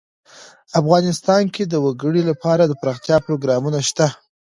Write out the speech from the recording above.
افغانستان کې د وګړي لپاره دپرمختیا پروګرامونه شته.